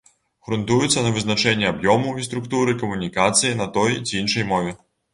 Грунтуецца на вызначэнні аб'ёму і структуры камунікацыі на той ці іншай мове.